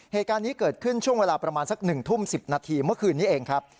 เหตุการณ์นี้เกิดขึ้นช่วงเวลาประมาณสัก๑ทุ่ม๑๐นาทีเมื่อคืนนี้เองครับ